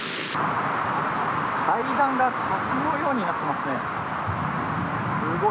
階段が滝のようになってますね。